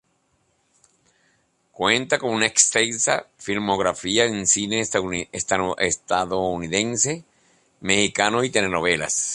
Cuenta con una extensa filmografía en cine estadounidense, mexicano y telenovelas.